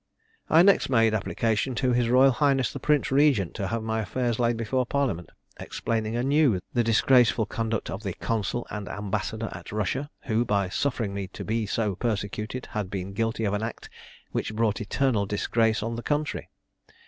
"I next made application to his royal highness the Prince Regent to have my affairs laid before parliament, explaining anew the disgraceful conduct of the consul and ambassador at Russia, who, by suffering me to be so persecuted, had been guilty of an act which brought eternal disgrace on the country.